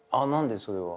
それは。